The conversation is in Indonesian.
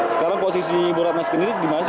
sekarang posisi ibu ratna sekenirnya gimana sih pak